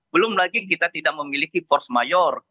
belum lagi kita tidak memiliki force mayor